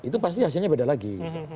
itu pasti hasilnya beda lagi